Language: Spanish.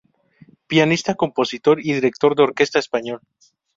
Pianista, compositor y director de orquesta español.